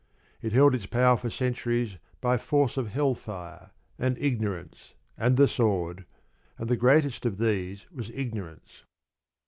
It held its power for centuries by force of hell fire, and ignorance, and the sword; and the greatest of these was ignorance.